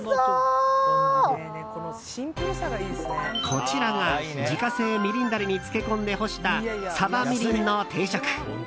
こちらが自家製みりんダレに漬け込んで干したサバみりんの定食。